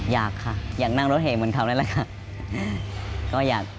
อยากค่ะอยากนั่งรถเหเหมือนเขานั่นแหละค่ะ